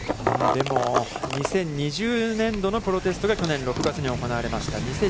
でも２０２０年度プロテストが去年６月に行われました。